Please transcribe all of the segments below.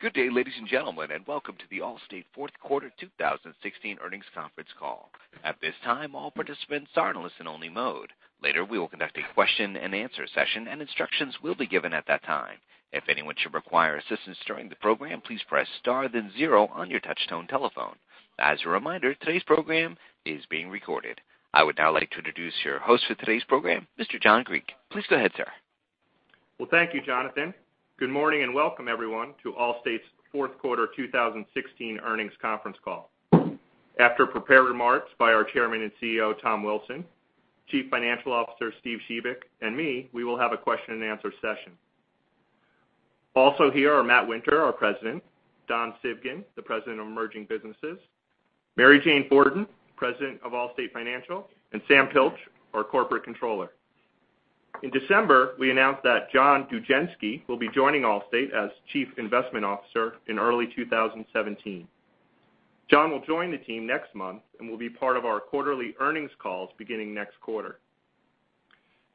Good day, ladies and gentlemen, and welcome to the Allstate fourth quarter 2016 earnings conference call. At this time, all participants are in listen only mode. Later, we will conduct a question and answer session and instructions will be given at that time. If anyone should require assistance during the program, please press star then zero on your touchtone telephone. As a reminder, today's program is being recorded. I would now like to introduce your host for today's program, Mr. John Griek. Please go ahead, sir. Well, thank you, Jonathan. Good morning and welcome, everyone, to Allstate's fourth quarter 2016 earnings conference call. After prepared remarks by our Chairman and CEO, Tom Wilson, Chief Financial Officer, Steve Shebik, and me, we will have a question and answer session. Also here are Matt Winter, our President, Don Civgin, the President of Emerging Businesses, Mary Jane Fortin, President of Allstate Financial, and Sam Pilch, our Corporate Controller. In December, we announced that John Dugenske will be joining Allstate as Chief Investment Officer in early 2017. John will join the team next month and will be part of our quarterly earnings calls beginning next quarter.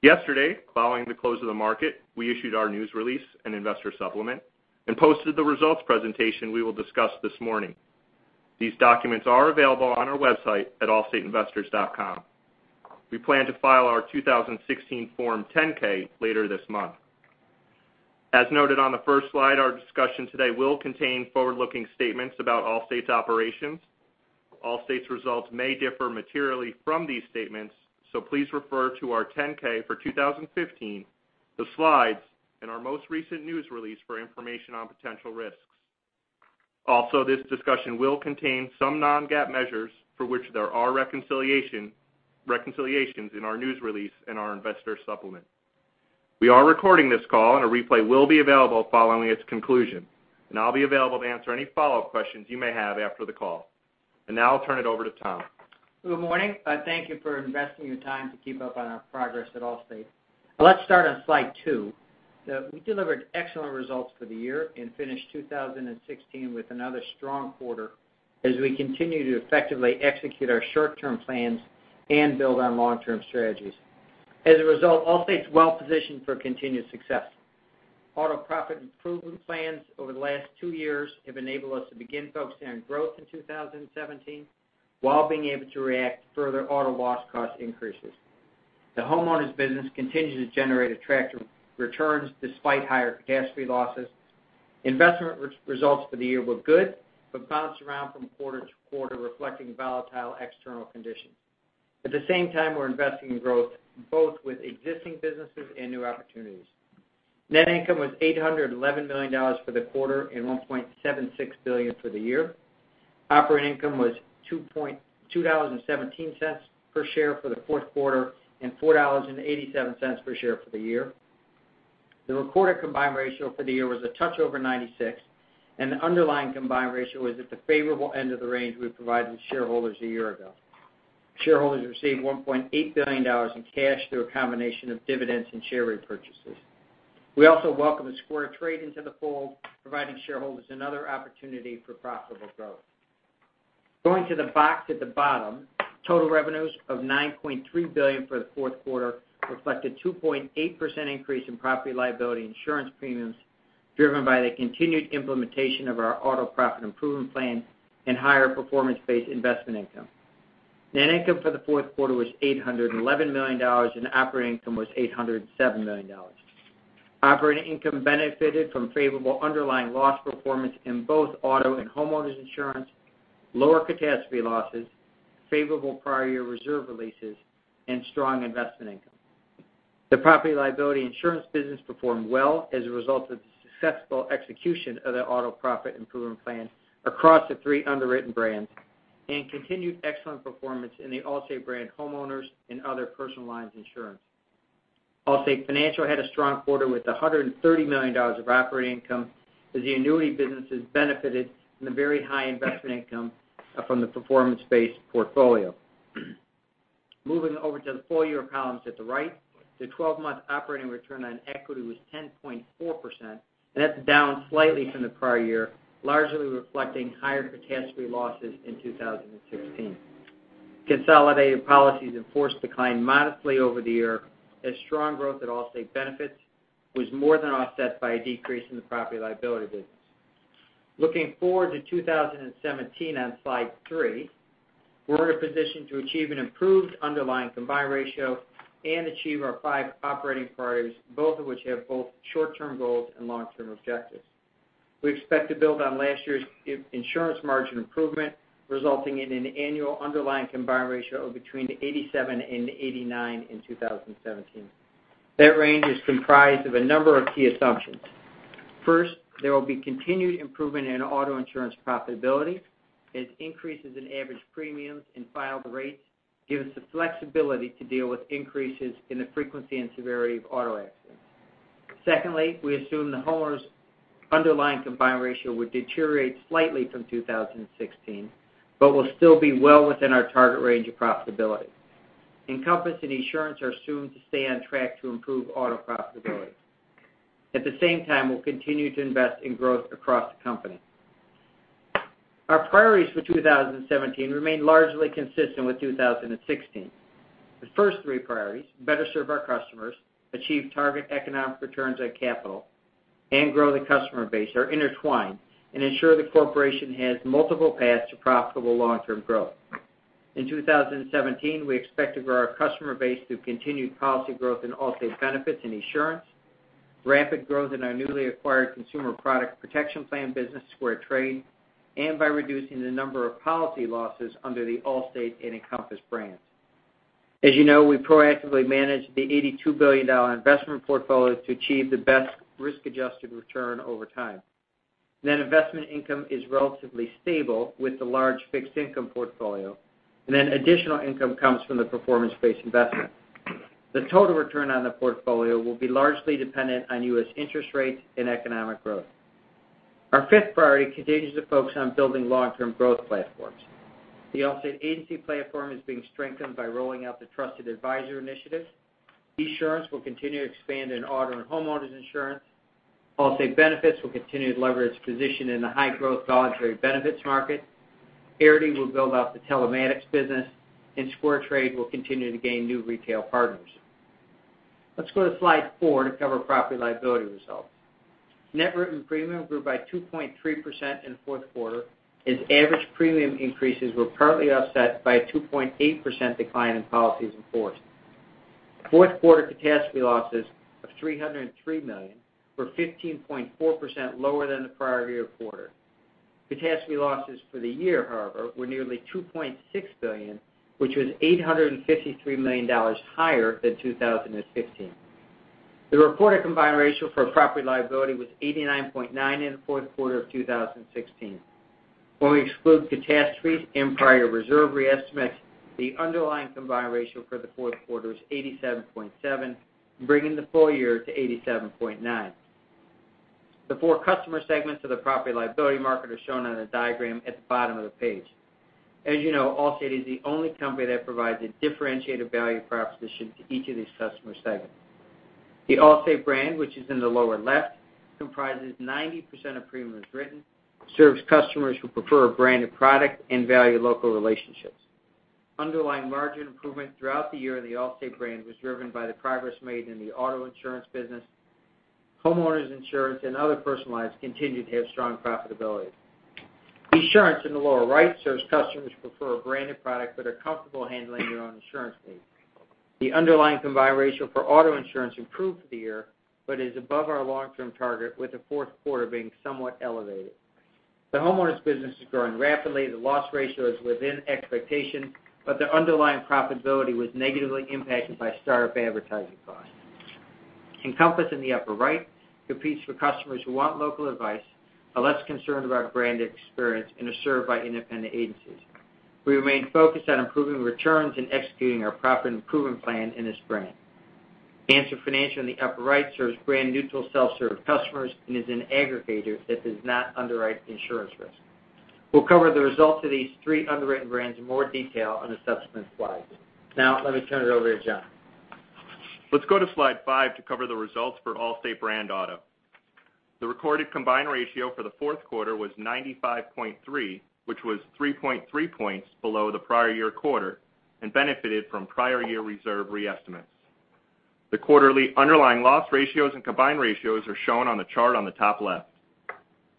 Yesterday, following the close of the market, we issued our news release, an investor supplement, and posted the results presentation we will discuss this morning. These documents are available on our website at allstateinvestors.com. We plan to file our 2016 Form 10-K later this month. As noted on the first slide, our discussion today will contain forward-looking statements about Allstate's operations. Allstate's results may differ materially from these statements, so please refer to our 10-K for 2015, the slides, and our most recent news release for information on potential risks. Also, this discussion will contain some non-GAAP measures for which there are reconciliations in our news release and our investor supplement. We are recording this call, and a replay will be available following its conclusion. I'll be available to answer any follow-up questions you may have after the call. Now I'll turn it over to Tom. Good morning. Thank you for investing your time to keep up on our progress at Allstate. Let's start on slide two. We delivered excellent results for the year and finished 2016 with another strong quarter as we continue to effectively execute our short-term plans and build on long-term strategies. As a result, Allstate is well-positioned for continued success. Auto profit improvement plans over the last two years have enabled us to begin focusing on growth in 2017 while being able to react to further auto loss cost increases. The homeowners business continues to generate attractive returns despite higher catastrophe losses. Investment results for the year were good but bounced around from quarter to quarter, reflecting volatile external conditions. At the same time, we're investing in growth, both with existing businesses and new opportunities. Net income was $811 million for the quarter and $1.76 billion for the year. Operating income was $2.17 per share for the fourth quarter, and $4.87 per share for the year. The recorded combined ratio for the year was a touch over 96%, and the underlying combined ratio is at the favorable end of the range we provided shareholders a year ago. Shareholders received $1.8 billion in cash through a combination of dividends and share repurchases. We also welcome SquareTrade into the fold, providing shareholders another opportunity for profitable growth. Going to the box at the bottom, total revenues of $9.3 billion for the fourth quarter reflected 2.8% increase in property liability insurance premiums, driven by the continued implementation of our auto profit improvement plan and higher performance-based investment income. Net income for the fourth quarter was $811 million, and operating income was $807 million. Operating income benefited from favorable underlying loss performance in both auto and homeowners insurance, lower catastrophe losses, favorable prior year reserve releases, and strong investment income. The property liability insurance business performed well as a result of the successful execution of the auto profit improvement plan across the three underwritten brands and continued excellent performance in the Allstate brand homeowners and other personal lines insurance. Allstate Financial had a strong quarter with $130 million of operating income as the annuity businesses benefited from the very high investment income from the performance-based portfolio. Moving over to the full year columns at the right, the 12-month operating return on equity was 10.4%, and that's down slightly from the prior year, largely reflecting higher catastrophe losses in 2016. Consolidated policies in force declined modestly over the year as strong growth at Allstate Benefits was more than offset by a decrease in the property and liability business. Looking forward to 2017 on slide three, we're in a position to achieve an improved underlying combined ratio and achieve our five operating priorities, both of which have both short-term goals and long-term objectives. We expect to build on last year's insurance margin improvement, resulting in an annual underlying combined ratio of between 87% and 89% in 2017. That range is comprised of a number of key assumptions. First, there will be continued improvement in auto insurance profitability as increases in average premiums and filed rates give us the flexibility to deal with increases in the frequency and severity of auto accidents. Secondly, we assume the homeowners' underlying combined ratio will deteriorate slightly from 2016 but will still be well within our target range of profitability. Encompass and Esurance are assumed to stay on track to improve auto profitability. At the same time, we'll continue to invest in growth across the company. Our priorities for 2017 remain largely consistent with 2016. The first three priorities, better serve our customers, achieve target economic returns on capital, and grow the customer base, are intertwined and ensure the corporation has multiple paths to profitable long-term growth. In 2017, we expect to grow our customer base through continued policy growth in Allstate Benefits and Esurance, rapid growth in our newly acquired consumer product protection plan business, SquareTrade, and by reducing the number of policy losses under the Allstate and Encompass brands. As you know, we proactively manage the $82 billion investment portfolio to achieve the best risk-adjusted return over time. Net investment income is relatively stable with the large fixed income portfolio. Additional income comes from the performance-based investment. The total return on the portfolio will be largely dependent on U.S. interest rates and economic growth. Our fifth priority continues to focus on building long-term growth platforms. The Allstate Agency Platform is being strengthened by rolling out the Trusted Advisor initiatives. Esurance will continue to expand in auto and homeowners insurance. Allstate Benefits will continue to leverage position in the high-growth voluntary benefits market. Arity will build out the telematics business, and SquareTrade will continue to gain new retail partners. Let's go to slide four to cover property and liability results. Net written premium grew by 2.3% in the fourth quarter as average premium increases were partly offset by a 2.8% decline in policies in force. Fourth quarter catastrophe losses of $303 million were 15.4% lower than the prior year quarter. Catastrophe losses for the year, however, were nearly $2.6 billion, which was $853 million higher than 2015. The reported combined ratio for property and liability was 89.9 in the fourth quarter of 2016. When we exclude catastrophes and prior reserve re-estimates, the underlying combined ratio for the fourth quarter is 87.7, bringing the full year to 87.9. The four customer segments of the property and liability market are shown on the diagram at the bottom of the page. As you know, Allstate is the only company that provides a differentiated value proposition to each of these customer segments. The Allstate brand, which is in the lower left, comprises 90% of premiums written, serves customers who prefer a branded product and value local relationships. Underlying margin improvement throughout the year in the Allstate brand was driven by the progress made in the auto insurance business. Homeowners insurance and other personal lines continued to have strong profitability. Esurance, in the lower right, serves customers who prefer a branded product but are comfortable handling their own insurance needs. The underlying combined ratio for auto insurance improved for the year but is above our long-term target, with the fourth quarter being somewhat elevated. The homeowners business is growing rapidly. The loss ratio is within expectation, but the underlying profitability was negatively impacted by startup advertising costs. Encompass, in the upper right, competes for customers who want local advice, are less concerned about brand experience, and are served by independent agencies. We remain focused on improving returns and executing our profit improvement plan in this brand. Answer Financial in the upper right serves brand neutral self-serve customers and is an aggregator that does not underwrite insurance risk. We'll cover the results of these three underwritten brands in more detail on the subsequent slides. Let me turn it over to John. Let's go to slide five to cover the results for Allstate brand auto. The recorded combined ratio for the fourth quarter was 95.3, which was 3.3 points below the prior year quarter and benefited from prior year reserve re-estimates. The quarterly underlying loss ratios and combined ratios are shown on the chart on the top left.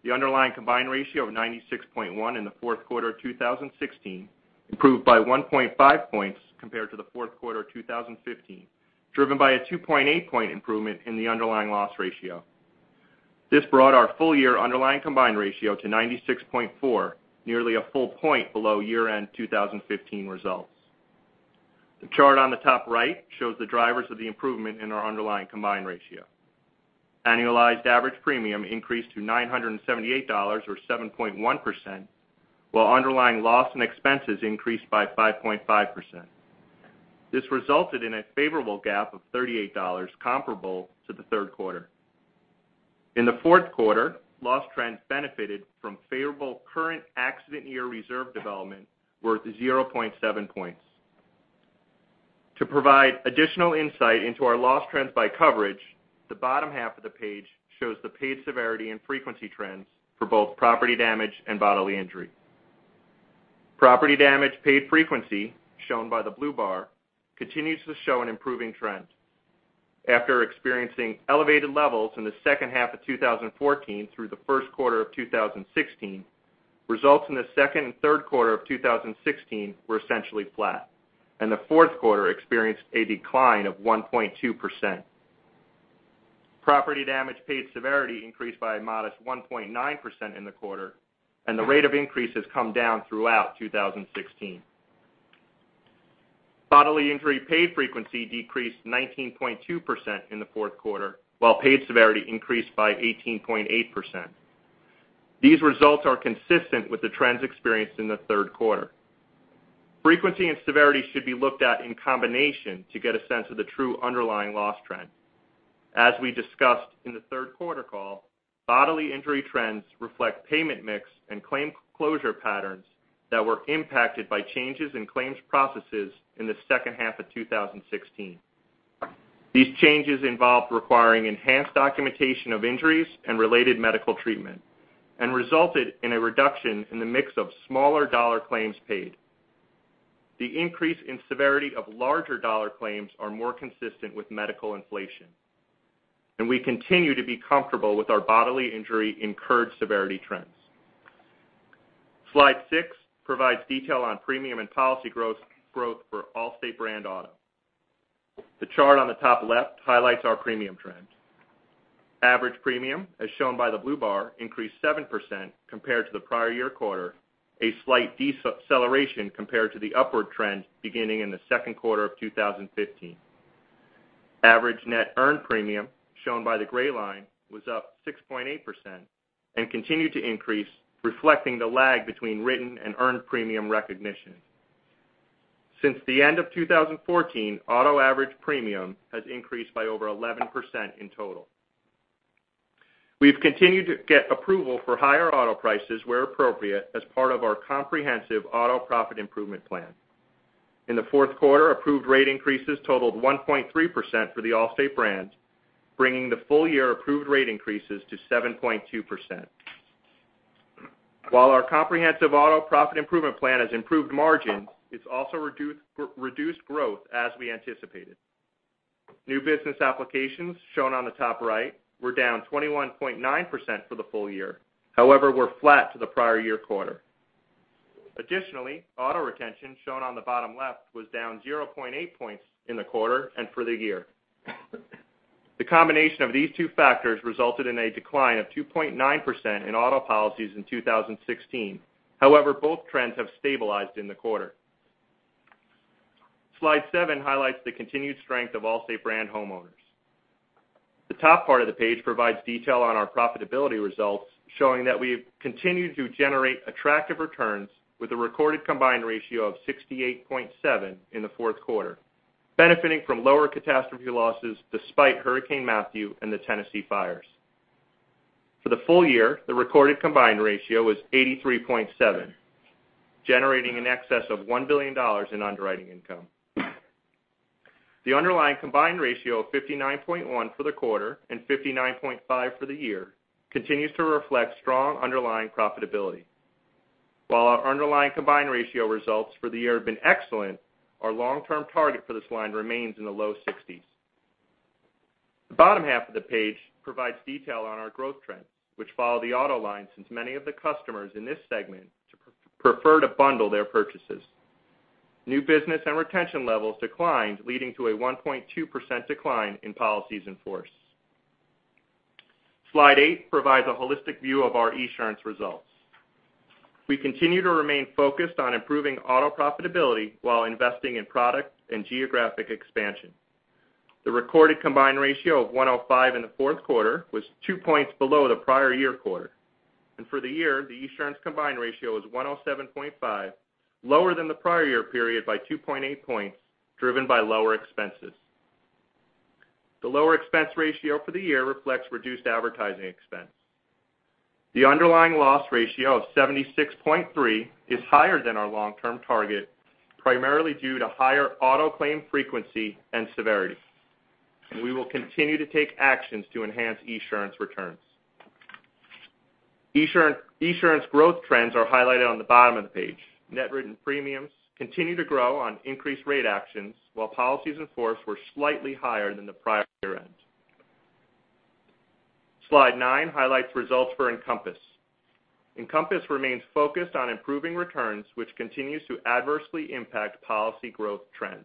The underlying combined ratio of 96.1 in the fourth quarter of 2016 improved by 1.5 points compared to the fourth quarter of 2015, driven by a 2.8-point improvement in the underlying loss ratio. This brought our full-year underlying combined ratio to 96.4, nearly a full point below year-end 2015 results. The chart on the top right shows the drivers of the improvement in our underlying combined ratio. Annualized average premium increased to $978, or 7.1%, while underlying loss and expenses increased by 5.5%. This resulted in a favorable gap of $38 comparable to the third quarter. In the fourth quarter, loss trends benefited from favorable current accident year reserve development worth 0.7 points. To provide additional insight into our loss trends by coverage, the bottom half of the page shows the paid severity and frequency trends for both property damage and bodily injury. Property damage paid frequency, shown by the blue bar, continues to show an improving trend. After experiencing elevated levels in the second half of 2014 through the first quarter of 2016, results in the second and third quarter of 2016 were essentially flat. The fourth quarter experienced a decline of 1.2%. Property damage paid severity increased by a modest 1.9% in the quarter, and the rate of increase has come down throughout 2016. Bodily injury paid frequency decreased 19.2% in the fourth quarter, while paid severity increased by 18.8%. These results are consistent with the trends experienced in the third quarter. Frequency and severity should be looked at in combination to get a sense of the true underlying loss trend. As we discussed in the third quarter call, bodily injury trends reflect payment mix and claim closure patterns that were impacted by changes in claims processes in the second half of 2016. These changes involve requiring enhanced documentation of injuries and related medical treatment and resulted in a reduction in the mix of smaller dollar claims paid. The increase in severity of larger dollar claims are more consistent with medical inflation, and we continue to be comfortable with our bodily injury incurred severity trends. Slide six provides detail on premium and policy growth for Allstate brand auto. The chart on the top left highlights our premium trends. Average premium, as shown by the blue bar, increased 7% compared to the prior year quarter, a slight deceleration compared to the upward trend beginning in the second quarter of 2015. Average net earned premium, shown by the gray line, was up 6.8% and continued to increase, reflecting the lag between written and earned premium recognition. Since the end of 2014, auto average premium has increased by over 11% in total. We've continued to get approval for higher auto prices where appropriate as part of our comprehensive auto profit improvement plan. In the fourth quarter, approved rate increases totaled 1.3% for the Allstate brand, bringing the full-year approved rate increases to 7.2%. While our comprehensive auto profit improvement plan has improved margin, it's also reduced growth as we anticipated. New business applications, shown on the top right, were down 21.9% for the full year, however were flat to the prior year quarter. Additionally, auto retention, shown on the bottom left, was down 0.8 points in the quarter and for the year. The combination of these two factors resulted in a decline of 2.9% in auto policies in 2016. However, both trends have stabilized in the quarter. Slide seven highlights the continued strength of Allstate brand homeowners. The top part of the page provides detail on our profitability results, showing that we have continued to generate attractive returns with a recorded combined ratio of 68.7 in the fourth quarter, benefiting from lower catastrophe losses despite Hurricane Matthew and the Tennessee fires. For the full year, the recorded combined ratio was 83.7, generating in excess of $1 billion in underwriting income. The underlying combined ratio of 59.1 for the quarter and 59.5 for the year continues to reflect strong underlying profitability. While our underlying combined ratio results for the year have been excellent, our long-term target for this line remains in the low 60s. The bottom half of the page provides detail on our growth trends, which follow the auto line, since many of the customers in this segment prefer to bundle their purchases. New business and retention levels declined, leading to a 1.2% decline in policies in force. Slide eight provides a holistic view of our Esurance results. We continue to remain focused on improving auto profitability while investing in product and geographic expansion. The recorded combined ratio of 105 in the fourth quarter was two points below the prior year quarter. For the year, the Esurance combined ratio was 107.5, lower than the prior year period by 2.8 points, driven by lower expenses. The lower expense ratio for the year reflects reduced advertising expense. The underlying loss ratio of 76.3 is higher than our long-term target, primarily due to higher auto claim frequency and severity. We will continue to take actions to enhance Esurance returns. Esurance growth trends are highlighted on the bottom of the page. Net written premiums continue to grow on increased rate actions, while policies in force were slightly higher than the prior year end. Slide nine highlights results for Encompass. Encompass remains focused on improving returns, which continues to adversely impact policy growth trends.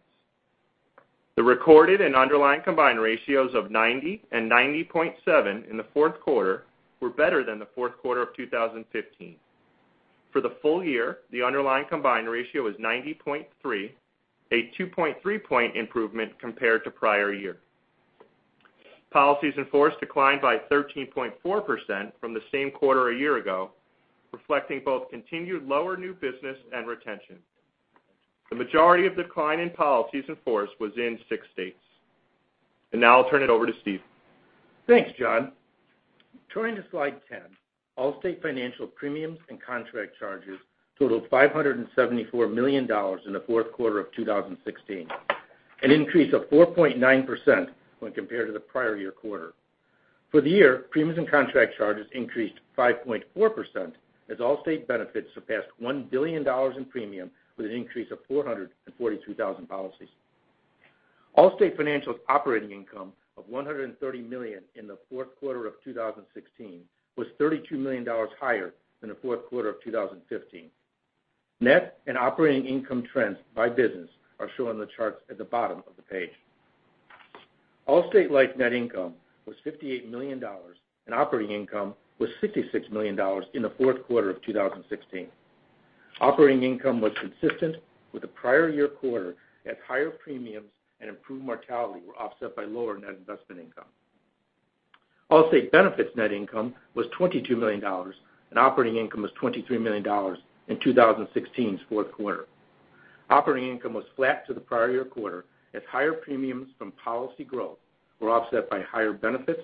The recorded and underlying combined ratios of 90 and 90.7 in the fourth quarter were better than the fourth quarter of 2015. For the full year, the underlying combined ratio was 90.3, a 2.3-point improvement compared to prior year. Policies in force declined by 13.4% from the same quarter a year ago, reflecting both continued lower new business and retention. The majority of decline in policies in force was in six states. Now I'll turn it over to Steve. Thanks, John. Turning to slide 10, Allstate Financial premiums and contract charges totaled $574 million in the fourth quarter of 2016, an increase of 4.9% when compared to the prior year quarter. For the year, premiums and contract charges increased 5.4% as Allstate Benefits surpassed $1 billion in premium with an increase of 442,000 policies. Allstate Financial's operating income of $130 million in the fourth quarter of 2016 was $32 million higher than the fourth quarter of 2015. Net and operating income trends by business are shown on the charts at the bottom of the page. Allstate Life net income was $58 million, and operating income was $66 million in the fourth quarter of 2016. Operating income was consistent with the prior year quarter, as higher premiums and improved mortality were offset by lower net investment income. Allstate Benefits' net income was $22 million, and operating income was $23 million in 2016's fourth quarter. Operating income was flat to the prior year quarter, as higher premiums from policy growth were offset by higher benefits,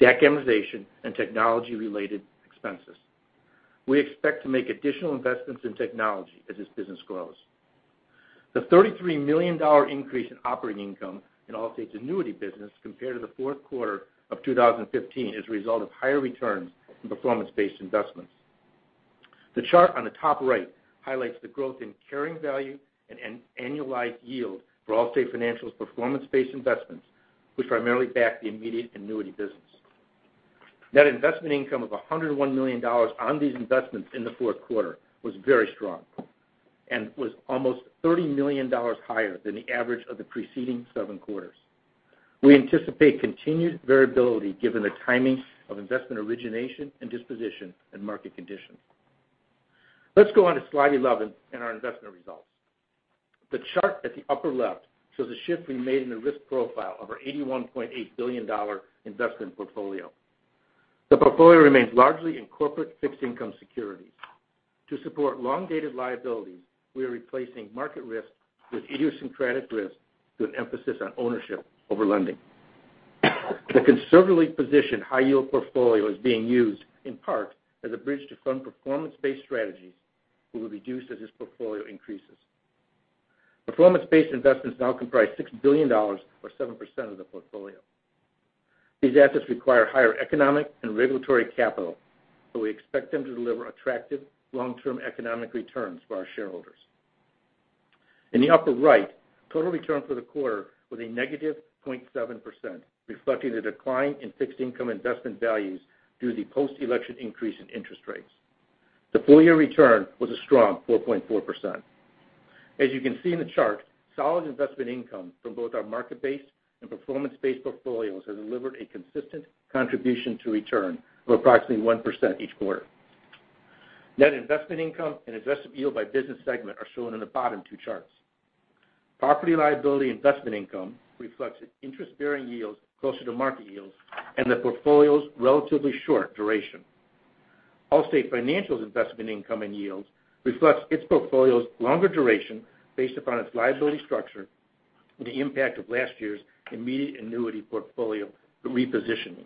debt amortization, and technology-related expenses. We expect to make additional investments in technology as this business grows. The $33 million increase in operating income in Allstate's annuity business compared to the fourth quarter of 2015 is a result of higher returns from performance-based investments. The chart on the top right highlights the growth in carrying value and annualized yield for Allstate Financial's performance-based investments, which primarily back the immediate annuity business. Net investment income of $101 million on these investments in the fourth quarter was very strong and was almost $30 million higher than the average of the preceding seven quarters. We anticipate continued variability given the timing of investment origination and disposition and market conditions. Let's go on to slide 11 and our investment results. The chart at the upper left shows a shift we made in the risk profile of our $81.8 billion investment portfolio. The portfolio remains largely in corporate fixed income securities. To support long-dated liabilities, we are replacing market risk with idiosyncratic risk with an emphasis on ownership over lending. The conservatively positioned high-yield portfolio is being used in part as a bridge to fund performance-based strategies that will be reduced as this portfolio increases. Performance-based investments now comprise $6 billion or 7% of the portfolio. These assets require higher economic and regulatory capital, but we expect them to deliver attractive long-term economic returns for our shareholders. In the upper right, total return for the quarter was a negative 0.7%, reflecting the decline in fixed income investment values due to the post-election increase in interest rates. The full-year return was a strong 4.4%. As you can see in the chart, solid investment income from both our market-based and performance-based portfolios has delivered a consistent contribution to return of approximately 1% each quarter. Net investment income and investment yield by business segment are shown in the bottom two charts. Property liability investment income reflects its interest-bearing yields closer to market yields and the portfolio's relatively short duration. Allstate Financial's investment income and yields reflects its portfolio's longer duration based upon its liability structure and the impact of last year's immediate annuity portfolio repositioning.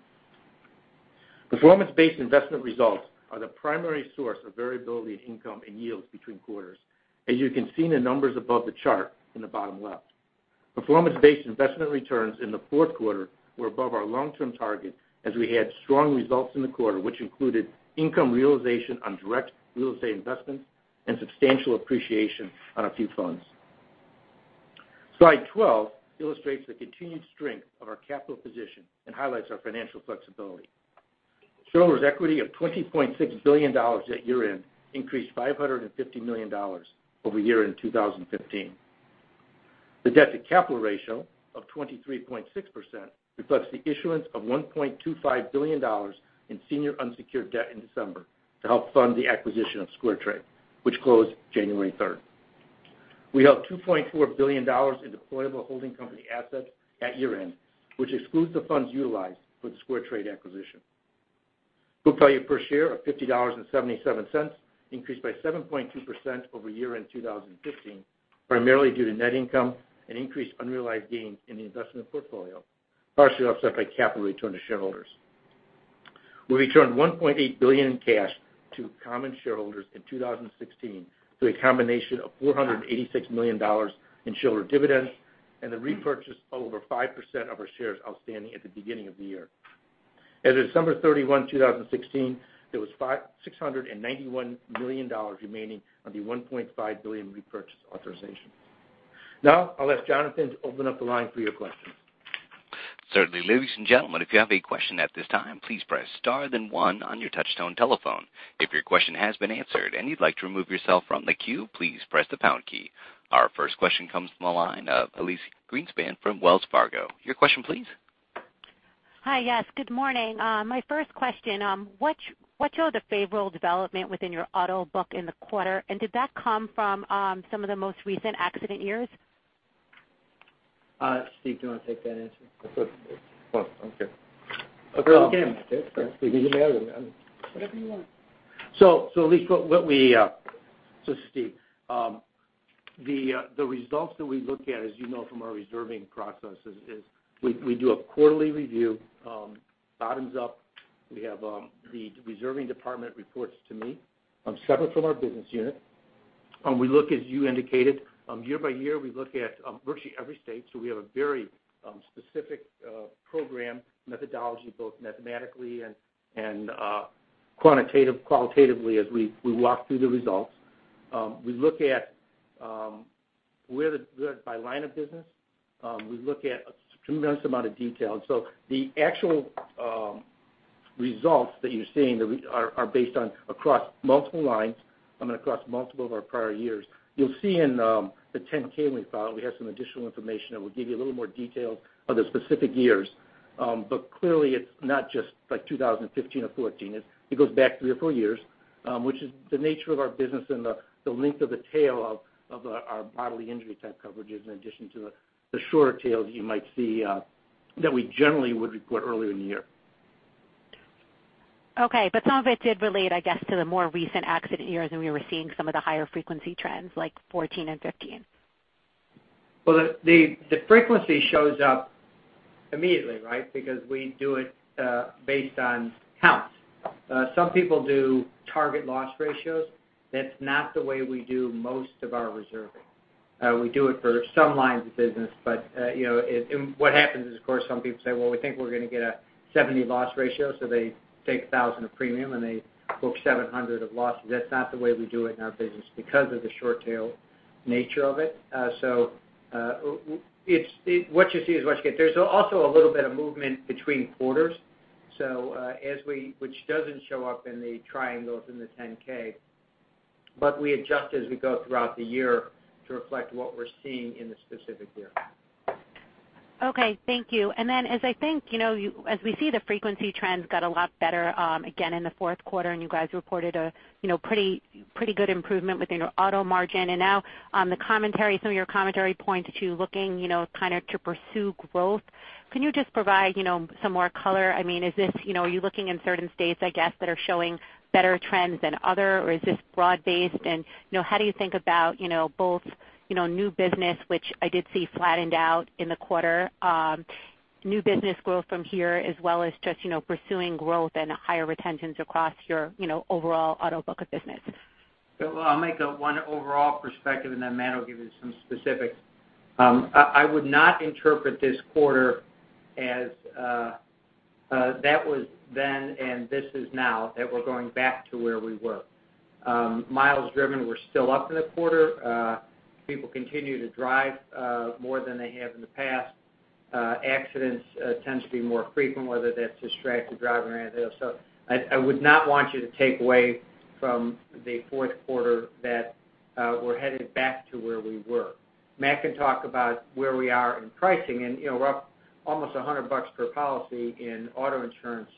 Performance-based investment results are the primary source of variability in income and yields between quarters, as you can see in the numbers above the chart in the bottom left. Performance-based investment returns in the fourth quarter were above our long-term target, as we had strong results in the quarter, which included income realization on direct real estate investments and substantial appreciation on a few funds. Slide 12 illustrates the continued strength of our capital position and highlights our financial flexibility. Shareholders' equity of $20.6 billion at year-end increased $550 million over year-end 2015. The debt-to-capital ratio of 23.6% reflects the issuance of $1.25 billion in senior unsecured debt in December to help fund the acquisition of SquareTrade, which closed January 3rd. We held $2.4 billion in deployable holding company assets at year-end, which excludes the funds utilized for the SquareTrade acquisition. Book value per share of $50.77 increased by 7.2% over year-end 2015, primarily due to net income and increased unrealized gains in the investment portfolio, partially offset by capital return to shareholders. We returned $1.8 billion in cash to common shareholders in 2016 through a combination of $486 million in shareholder dividends and the repurchase of over 5% of our shares outstanding at the beginning of the year. As of December 31, 2016, there was $691 million remaining on the $1.5 billion repurchase authorization. I'll ask Jonathan to open up the line for your questions. Certainly. Ladies and gentlemen, if you have a question at this time, please press star then one on your touchtone telephone. If your question has been answered and you'd like to remove yourself from the queue, please press the pound key. Our first question comes from the line of Elyse Greenspan from Wells Fargo. Your question, please? Hi. Yes, good morning. My first question, what showed the favorable development within your auto book in the quarter, and did that come from some of the most recent accident years? Steve, do you want to take that answer? That's okay. Okay. You can have it, man. Whatever you want. Elyse, this is Steve. The results that we look at, as you know from our reserving processes, is we do a quarterly review, bottoms up. We have the reserving department reports to me, separate from our business unit. We look, as you indicated, year by year, we look at virtually every state. We have a very specific program methodology, both mathematically and qualitatively as we walk through the results. We look at where by line of business. We look at a tremendous amount of detail. The actual results that you're seeing are based on across multiple lines and across multiple of our prior years. You'll see in the 10-K when we file, we have some additional information that will give you a little more detail of the specific years. Clearly, it's not just like 2015 or 2014. It goes back three or four years, which is the nature of our business and the length of the tail of our bodily injury type coverages, in addition to the shorter tails you might see that we generally would report earlier in the year. Okay. Some of it did relate, I guess, to the more recent accident years than we were seeing some of the higher frequency trends like 2014 and 2015? Well, the frequency shows up immediately, right? We do it based on counts. Some people do target loss ratios. That's not the way we do most of our reserving. We do it for some lines of business. What happens is, of course, some people say, "Well, we think we're going to get a 70% loss ratio," so they take 1,000 of premium, and they book 700 of losses. That's not the way we do it in our business because of the short-tail nature of it. What you see is what you get. There's also a little bit of movement between quarters, which doesn't show up in the triangles in the 10-K, but we adjust as we go throughout the year to reflect what we're seeing in the specific year. Okay. Thank you. As we see the frequency trends got a lot better, again, in the fourth quarter, you guys reported a pretty good improvement within your auto margin. Now, some of your commentary points to looking to pursue growth. Can you just provide some more color? Are you looking in certain states, I guess, that are showing better trends than other? Or is this broad-based? How do you think about both new business, which I did see flattened out in the quarter, new business growth from here, as well as just pursuing growth and higher retentions across your overall auto book of business? Well, I'll make one overall perspective, then Matt will give you some specifics. I would not interpret this quarter as that was then and this is now, that we're going back to where we were. Miles driven were still up in the quarter. People continue to drive more than they have in the past. Accidents tend to be more frequent, whether that's distracted driving or anything else. I would not want you to take away from the fourth quarter that we're headed back to where we were. Matt can talk about where we are in pricing, and we're up almost $100 per policy in auto insurance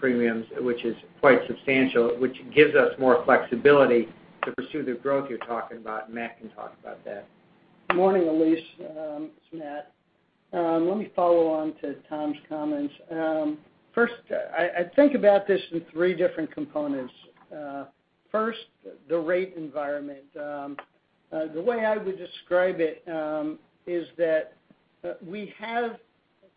premiums, which is quite substantial, which gives us more flexibility to pursue the growth you're talking about, and Matt can talk about that. Morning, Elyse. It's Matt. Let me follow on to Tom's comments. First, I think about this in 3 different components. First, the rate environment. The way I would describe it is that we have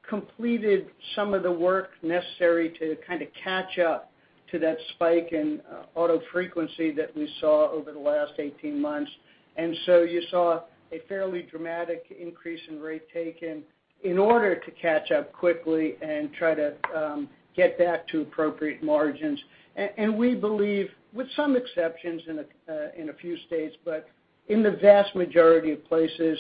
completed some of the work necessary to kind of catch up to that spike in auto frequency that we saw over the last 18 months. You saw a fairly dramatic increase in rate taken in order to catch up quickly and try to get back to appropriate margins. We believe, with some exceptions in a few states, but in the vast majority of places,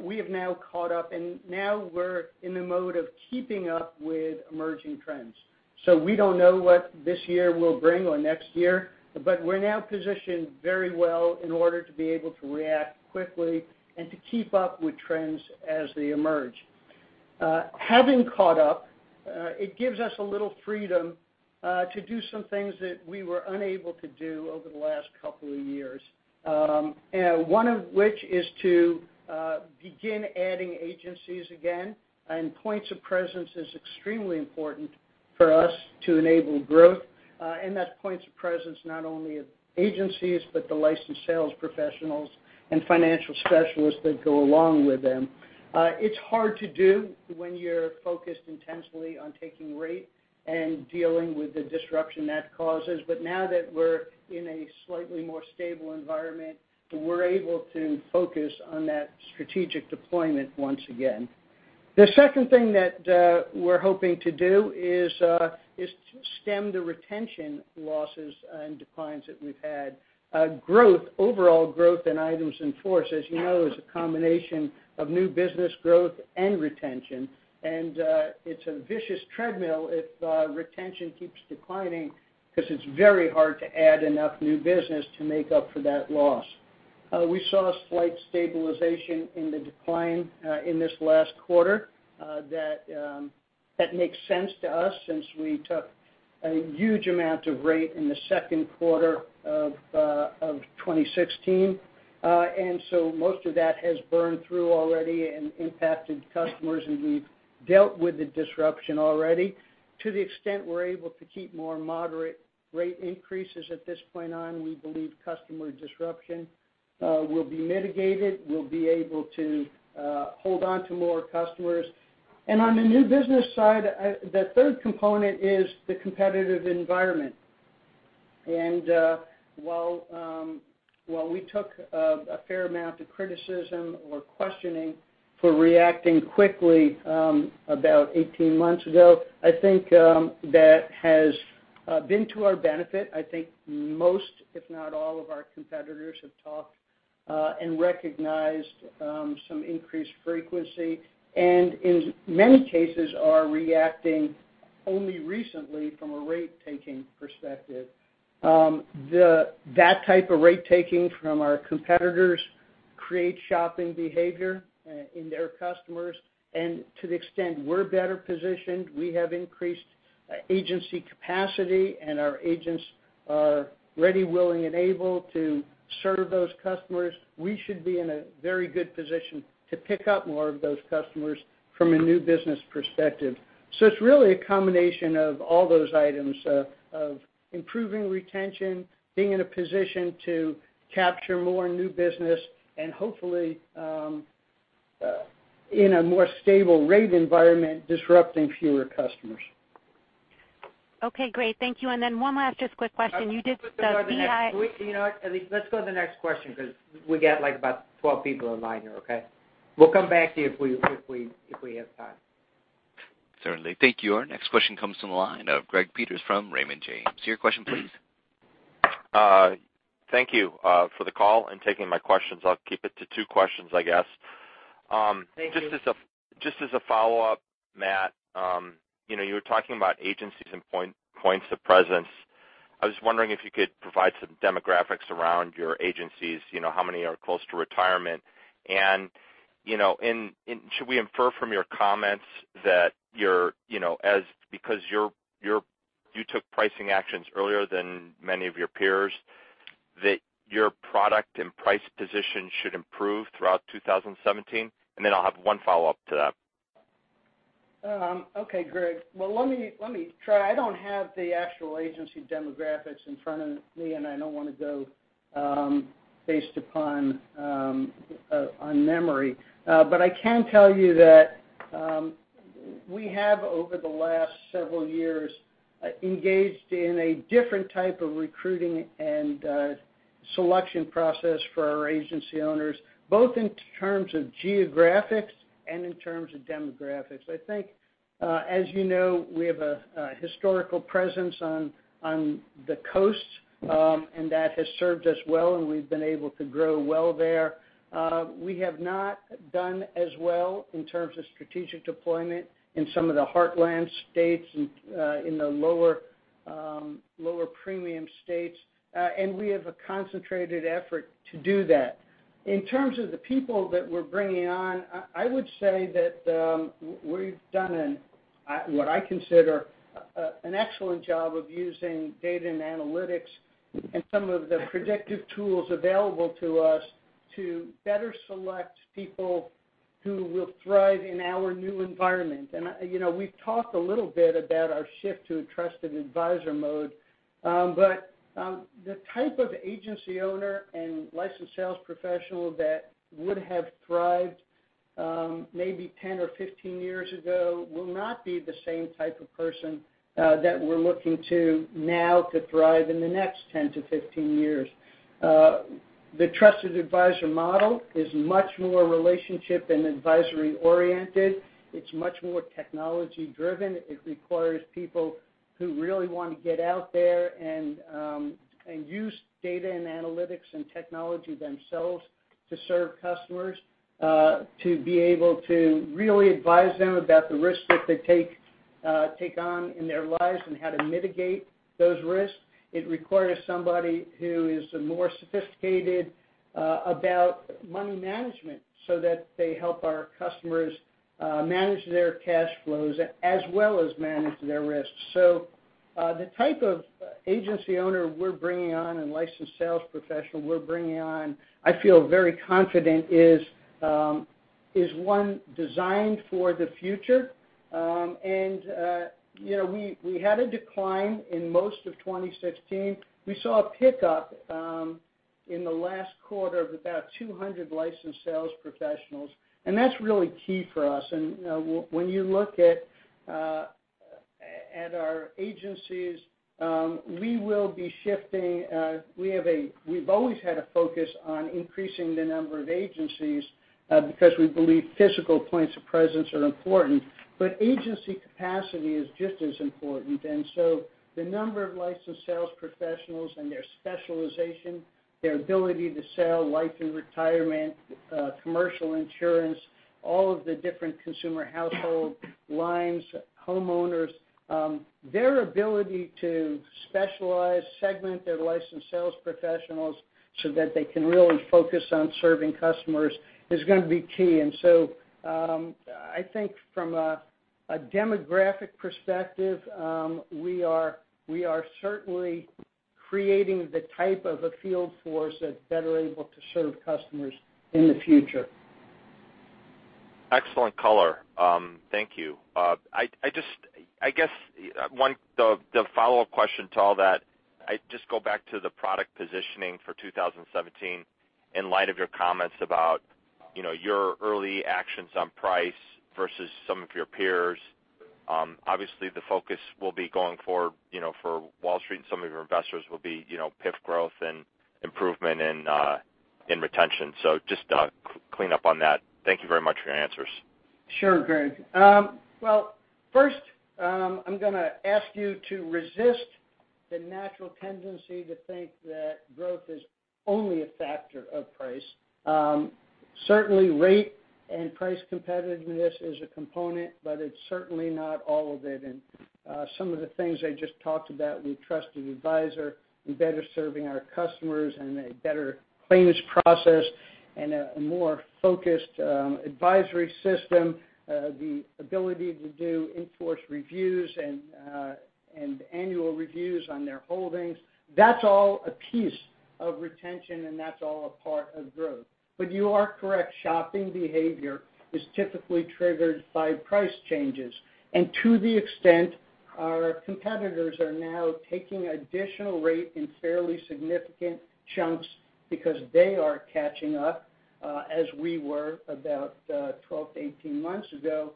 we have now caught up, and now we're in the mode of keeping up with emerging trends. We don't know what this year will bring or next year, but we're now positioned very well in order to be able to react quickly and to keep up with trends as they emerge. Having caught up, it gives us a little freedom to do some things that we were unable to do over the last couple of years. One of which is to begin adding agencies again, points of presence is extremely important for us to enable growth. That's points of presence, not only of agencies, but the licensed sales professionals and financial specialists that go along with them. It's hard to do when you're focused intensely on taking rate and dealing with the disruption that causes. Now that we're in a slightly more stable environment, we're able to focus on that strategic deployment once again. The second thing that we're hoping to do is to stem the retention losses and declines that we've had. Growth, overall growth in items in force, as you know, is a combination of new business growth and retention. It's a vicious treadmill if retention keeps declining because it's very hard to add enough new business to make up for that loss. We saw a slight stabilization in the decline in this last quarter that makes sense to us since we took a huge amount of rate in the second quarter of 2016. Most of that has burned through already and impacted customers, and we've dealt with the disruption already. To the extent we're able to keep more moderate rate increases at this point on, we believe customer disruption will be mitigated. We'll be able to hold on to more customers. On the new business side, the third component is the competitive environment. While we took a fair amount of criticism or questioning for reacting quickly about 18 months ago, I think that has been to our benefit. I think most, if not all of our competitors have talked and recognized some increased frequency, and in many cases, are reacting only recently from a rate-taking perspective. That type of rate taking from our competitors creates shopping behavior in their customers. To the extent we're better positioned, we have increased agency capacity, and our agents are ready, willing, and able to serve those customers. We should be in a very good position to pick up more of those customers from a new business perspective. It's really a combination of all those items, of improving retention, being in a position to capture more new business, and hopefully in a more stable rate environment, disrupting fewer customers. Okay, great. Thank you. One last just quick question. You know what, Elyse? Let's go to the next question because we got about 12 people in line here, okay? We'll come back to you if we have time. Certainly. Thank you. Our next question comes from the line of Greg Peters from Raymond James. Your question, please. Thank you for the call and taking my questions. I'll keep it to two questions, I guess. Thank you. Just as a follow-up, Matt, you were talking about agencies and points of presence. I was wondering if you could provide some demographics around your agencies, how many are close to retirement. Should we infer from your comments that because you took pricing actions earlier than many of your peers, that your product and price position should improve throughout 2017? Then I'll have one follow-up to that. Okay, Greg. Well, let me try. I don't have the actual agency demographics in front of me. I don't want to go based upon memory. I can tell you that we have, over the last several years, engaged in a different type of recruiting and selection process for our agency owners, both in terms of geographics and in terms of demographics. I think, as you know, we have a historical presence on the coasts. That has served us well, we've been able to grow well there. We have not done as well in terms of strategic deployment in some of the heartland states, in the lower premium states. We have a concentrated effort to do that. In terms of the people that we're bringing on, I would say that we've done what I consider an excellent job of using data and analytics and some of the predictive tools available to us to better select people who will thrive in our new environment. We've talked a little bit about our shift to a Trusted Advisor mode. The type of agency owner and licensed sales professional that would have thrived maybe 10 or 15 years ago will not be the same type of person that we're looking to now to thrive in the next 10 to 15 years. The Trusted Advisor model is much more relationship and advisory oriented. It's much more technology driven. It requires people who really want to get out there and use data and analytics and technology themselves to serve customers, to be able to really advise them about the risks that they take on in their lives and how to mitigate those risks. It requires somebody who is more sophisticated about money management so that they help our customers manage their cash flows as well as manage their risks. The type of agency owner we're bringing on and licensed sales professional we're bringing on, I feel very confident is one designed for the future. We had a decline in most of 2016. We saw a pickup in the last quarter of about 200 licensed sales professionals, and that's really key for us. When you look at our agencies, we've always had a focus on increasing the number of agencies because we believe physical points of presence are important. Agency capacity is just as important. The number of licensed sales professionals and their specialization, their ability to sell life and retirement, commercial insurance, all of the different consumer household lines, homeowners, their ability to specialize, segment their licensed sales professionals so that they can really focus on serving customers, is going to be key. I think from a demographic perspective, we are certainly creating the type of a field force that's better able to serve customers in the future. Excellent color. Thank you. I guess the follow-up question to all that, I just go back to the product positioning for 2017 in light of your comments about your early actions on price versus some of your peers. Obviously, the focus will be going forward, for Wall Street and some of your investors will be PIF growth and improvement in retention. Just to clean up on that. Thank you very much for your answers. Sure, Greg. Well, first, I'm going to ask you to resist the natural tendency to think that growth is only a factor of price. Certainly, rate and price competitiveness is a component, but it's certainly not all of it. Some of the things I just talked about with Trusted Advisor and better serving our customers and a better claims process and a more focused advisory system, the ability to do in-force reviews and annual reviews on their holdings, that's all a piece of retention, and that's all a part of growth. You are correct, shopping behavior is typically triggered by price changes. To the extent Our competitors are now taking additional rate in fairly significant chunks because they are catching up, as we were about 12-18 months ago.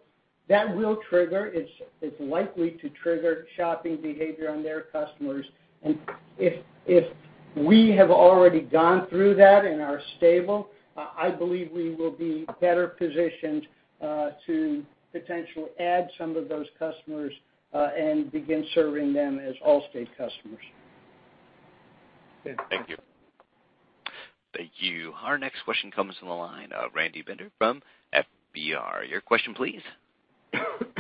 That it's likely to trigger shopping behavior on their customers. If we have already gone through that and are stable, I believe we will be better positioned to potentially add some of those customers, and begin serving them as Allstate customers. Thank you. Thank you. Our next question comes from the line, Randy Binner from FBR. Your question, please.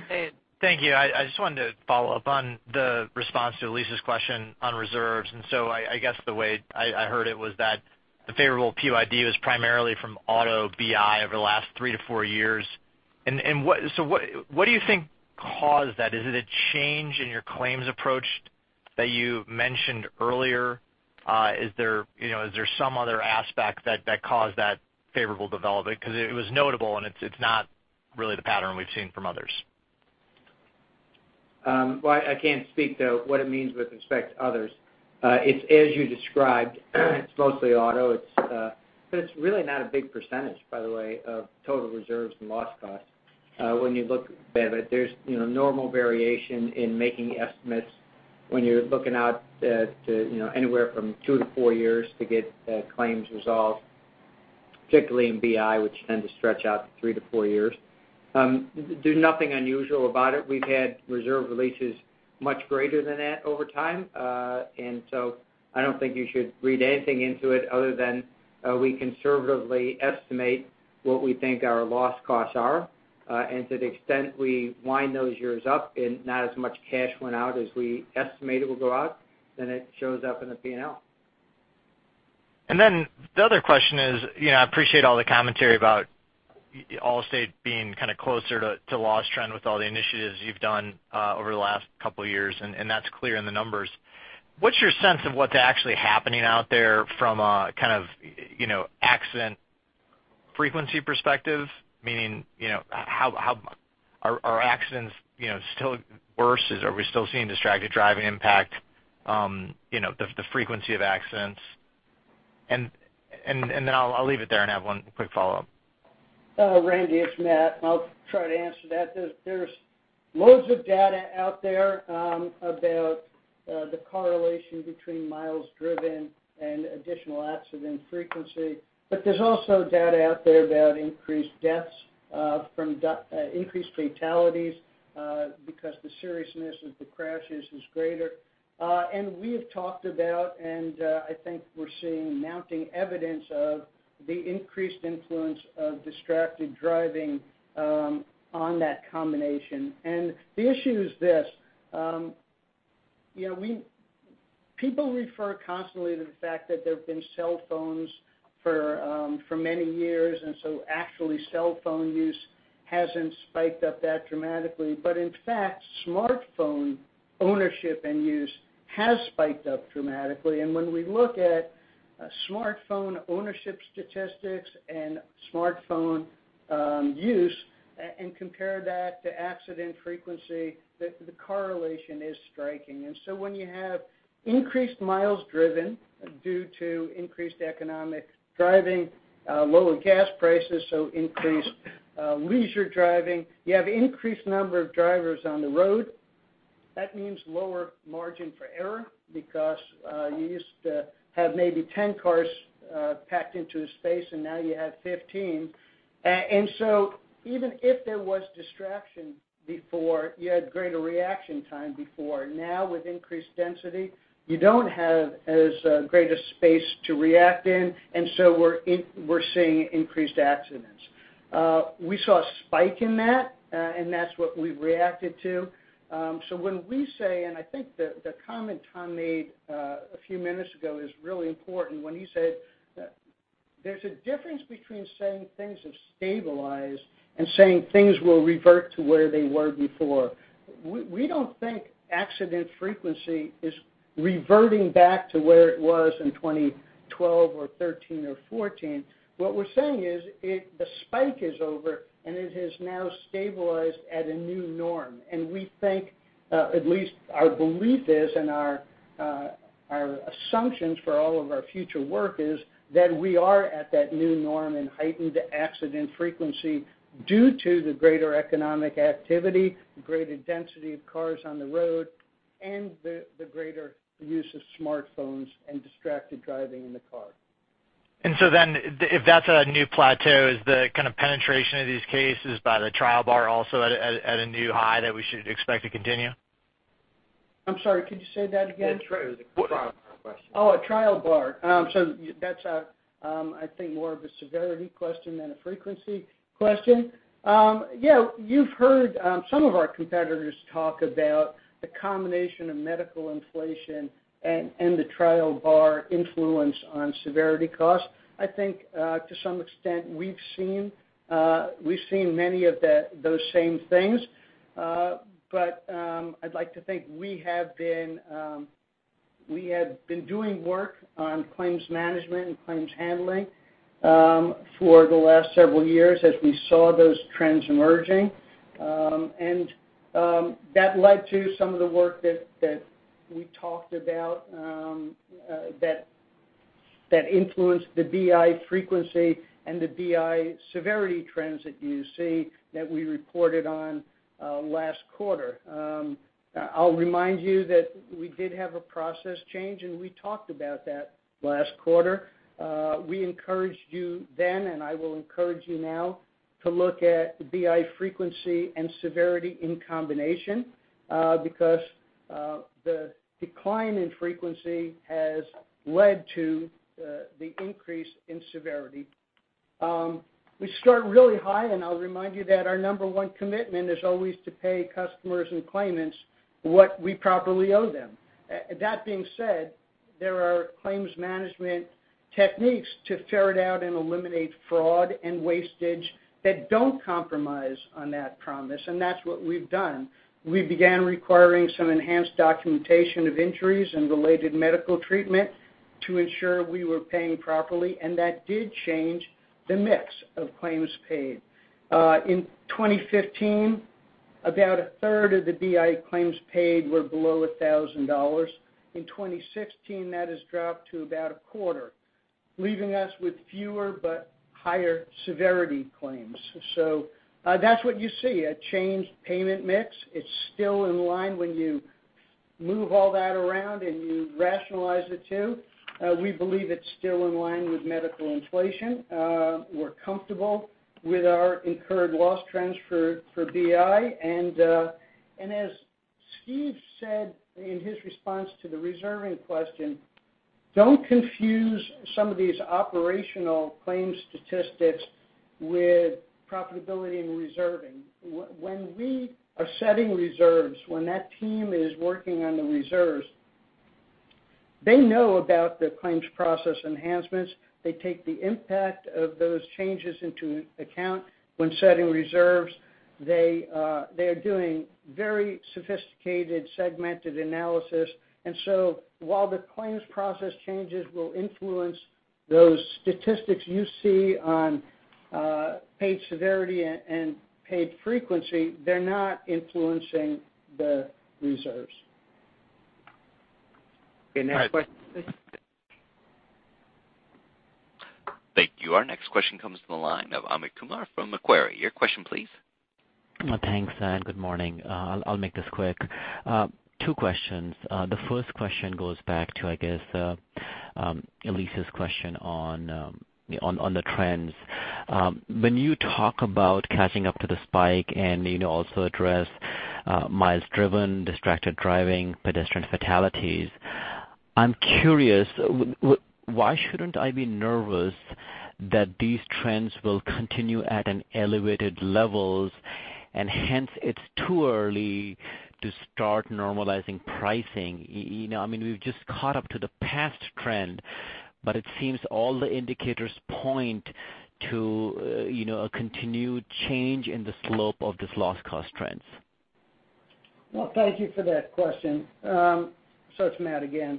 Hey. Thank you. I just wanted to follow up on the response to Elyse's question on reserves. I guess the way I heard it was that the favorable PUD was primarily from auto BI over the last 3 to 4 years. What do you think caused that? Is it a change in your claims approach that you mentioned earlier? Is there some other aspect that caused that favorable development? Because it was notable, it's not really the pattern we've seen from others. Well, I can't speak to what it means with respect to others. It's as you described, it's mostly auto. But it's really not a big percentage, by the way, of total reserves and loss costs. When you look at it, there's normal variation in making estimates when you're looking out to anywhere from 2 to 4 years to get claims resolved, particularly in BI, which tend to stretch out to 3 to 4 years. There's nothing unusual about it. We've had reserve releases much greater than that over time. I don't think you should read anything into it other than we conservatively estimate what we think our loss costs are. To the extent we wind those years up, not as much cash went out as we estimated will go out, it shows up in the P&L. The other question is, I appreciate all the commentary about Allstate being kind of closer to loss trend with all the initiatives you've done over the last couple of years, that's clear in the numbers. What's your sense of what's actually happening out there from an accident frequency perspective? Meaning, are accidents still worse? Are we still seeing distracted driving impact the frequency of accidents? I'll leave it there and have one quick follow-up. Randy, it's Matt. I'll try to answer that. There's loads of data out there about the correlation between miles driven and additional accident frequency. There's also data out there about increased deaths from increased fatalities, because the seriousness of the crashes is greater. We have talked about, I think we're seeing mounting evidence of the increased influence of distracted driving on that combination. The issue is this, people refer constantly to the fact that there have been cell phones for many years, actually, cell phone use hasn't spiked up that dramatically. In fact, smartphone ownership and use has spiked up dramatically. When we look at smartphone ownership statistics and smartphone use and compare that to accident frequency, the correlation is striking. When you have increased miles driven due to increased economic driving, lower gas prices, so increased leisure driving, you have increased number of drivers on the road. That means lower margin for error because you used to have maybe 10 cars packed into a space, and now you have 15. Even if there was distraction before, you had greater reaction time before. Now with increased density, you don't have as great a space to react in, and so we're seeing increased accidents. We saw a spike in that, and that's what we reacted to. When we say, and I think the comment Tom made a few minutes ago is really important, when he said there's a difference between saying things have stabilized and saying things will revert to where they were before. We don't think accident frequency is reverting back to where it was in 2012 or 2013 or 2014. What we're saying is the spike is over, and it has now stabilized at a new norm. We think, at least our belief is, and our assumptions for all of our future work is, that we are at that new norm in heightened accident frequency due to the greater economic activity, the greater density of cars on the road, and the greater use of smartphones and distracted driving in the car. If that's a new plateau, is the kind of penetration of these cases by the trial bar also at a new high that we should expect to continue? I'm sorry, could you say that again? Yeah, sure. It was a trial bar question. Oh, a trial bar. That's I think more of a severity question than a frequency question. Yeah, you've heard some of our competitors talk about the combination of medical inflation and the trial bar influence on severity costs. I think to some extent, we've seen many of those same things. I'd like to think we had been doing work on claims management and claims handling for the last several years as we saw those trends emerging. That led to some of the work that we talked about that influenced the BI frequency and the BI severity trends that you see that we reported on last quarter. I'll remind you that we did have a process change. We talked about that last quarter. We encouraged you then. I will encourage you now to look at BI frequency and severity in combination, because the decline in frequency has led to the increase in severity. We start really high. I'll remind you that our number one commitment is always to pay customers and claimants what we properly owe them. That being said, there are claims management techniques to ferret out and eliminate fraud and wastage that don't compromise on that promise. That's what we've done. We began requiring some enhanced documentation of injuries and related medical treatment to ensure we were paying properly. That did change the mix of claims paid. In 2015, about a third of the BI claims paid were below $1,000. In 2016, that has dropped to about a quarter, leaving us with fewer but higher severity claims. That's what you see, a changed payment mix. It's still in line when you move all that around. You rationalize the two. We believe it's still in line with medical inflation. We're comfortable with our incurred loss trends for BI. As Steve said in his response to the reserving question, don't confuse some of these operational claims statistics with profitability and reserving. When we are setting reserves, when that team is working on the reserves, they know about the claims process enhancements. They take the impact of those changes into account when setting reserves. They are doing very sophisticated segmented analysis. While the claims process changes will influence those statistics you see on paid severity and paid frequency, they're not influencing the reserves. Okay, next question, please. Thank you. Our next question comes from the line of Amit Kumar from Macquarie. Your question, please. Thanks. Good morning. I'll make this quick. Two questions. The first question goes back to, I guess, Elyse's question on the trends. When you talk about catching up to the spike and you also address miles driven, distracted driving, pedestrian fatalities, I'm curious, why shouldn't I be nervous that these trends will continue at elevated levels, and hence it's too early to start normalizing pricing? We've just caught up to the past trend, but it seems all the indicators point to a continued change in the slope of this loss cost trends. Well, thank you for that question. It's Matt again.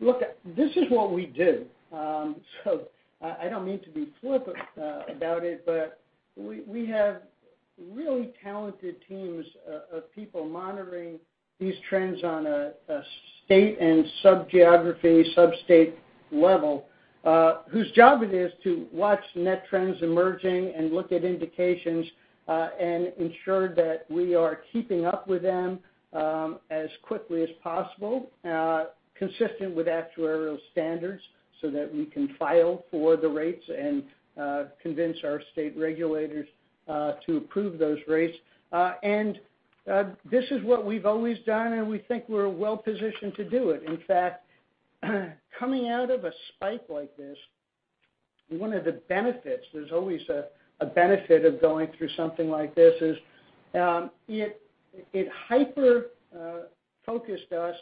Look, this is what we do. I don't mean to be flippant about it, but we have really talented teams of people monitoring these trends on a state and sub-geography, sub-state level, whose job it is to watch net trends emerging and look at indications and ensure that we are keeping up with them as quickly as possible consistent with actuarial standards so that we can file for the rates and convince our state regulators to approve those rates. This is what we've always done, and we think we're well-positioned to do it. In fact, coming out of a spike like this, one of the benefits, there's always a benefit of going through something like this, is it hyper-focused us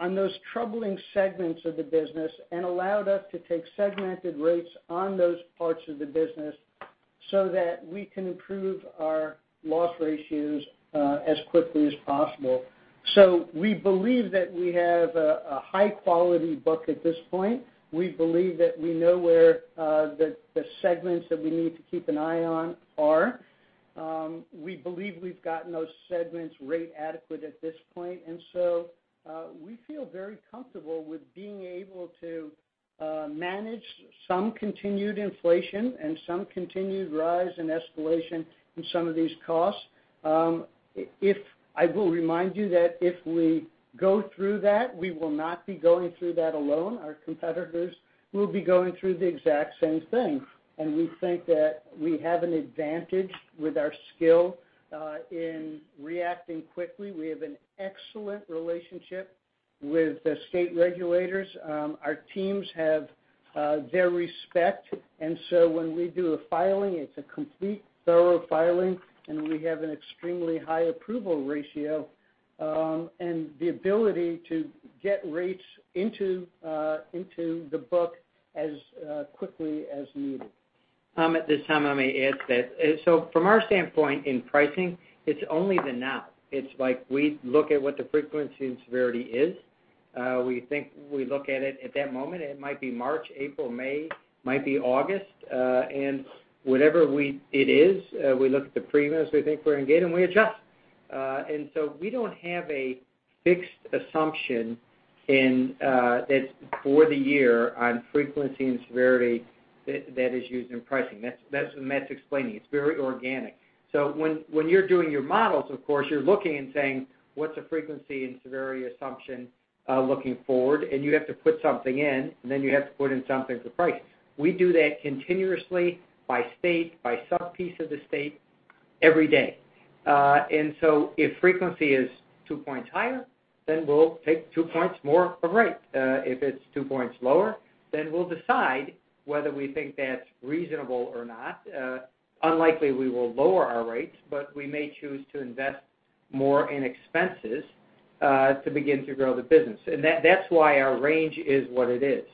on those troubling segments of the business and allowed us to take segmented rates on those parts of the business so that we can improve our loss ratios as quickly as possible. We believe that we have a high-quality book at this point. We believe that we know where the segments that we need to keep an eye on are. We believe we've gotten those segments rate adequate at this point. We feel very comfortable with being able to manage some continued inflation and some continued rise and escalation in some of these costs. I will remind you that if we go through that, we will not be going through that alone. Our competitors will be going through the exact same thing. We think that we have an advantage with our skill in reacting quickly. We have an excellent relationship with the state regulators. Our teams have their respect. When we do a filing, it's a complete, thorough filing. We have an extremely high approval ratio and the ability to get rates into the book as quickly as needed. Tom, at this time, let me add that. From our standpoint in pricing, it's only the now. It's like we look at what the frequency and severity is. We think we look at it at that moment. It might be March, April, May, might be August. Whatever it is, we look at the premiums we think we're going to get, and we adjust. We don't have a fixed assumption that's for the year on frequency and severity that is used in pricing. That's what Matt's explaining. It's very organic. When you're doing your models, of course, you're looking and saying, what's the frequency and severity assumption looking forward, and you have to put something in, and then you have to put in something to price. We do that continuously by state, by sub-piece of the state every day. If frequency is two points higher, then we'll take two points more of rate. If it's two points lower, then we'll decide whether we think that's reasonable or not. Unlikely we will lower our rates, but we may choose to invest more in expenses to begin to grow the business. That's why our range is what it is.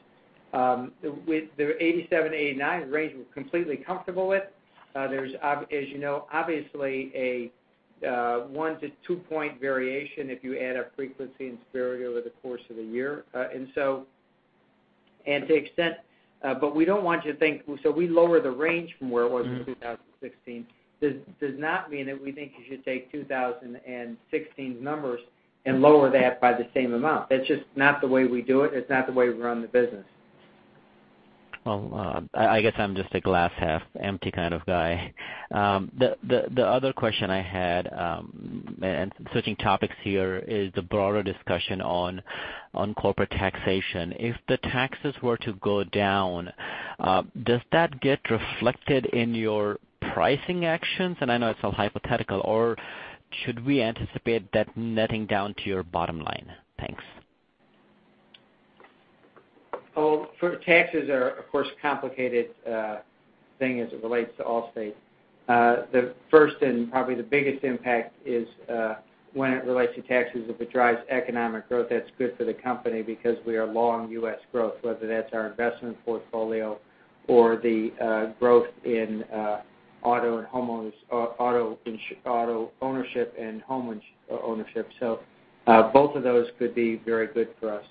The 87-89 range, we're completely comfortable with. There's, as you know, obviously a one- to two-point variation if you add up frequency and severity over the course of a year. To extent, but we don't want you to think, so we lower the range from where it was in 2016. This does not mean that we think you should take 2016's numbers and lower that by the same amount. That's just not the way we do it. It's not the way we run the business. Well, I guess I'm just a glass half empty kind of guy. The other question I had, and switching topics here, is the broader discussion on corporate taxation. If the taxes were to go down, does that get reflected in your pricing actions? I know it's all hypothetical, or should we anticipate that netting down to your bottom line? Thanks. Well, taxes are, of course, a complicated thing as it relates to Allstate. The first and probably the biggest impact is when it relates to taxes. If it drives economic growth, that's good for the company because we are long U.S. growth, whether that's our investment portfolio or the growth in auto ownership and home ownership. Both of those could be very good for us.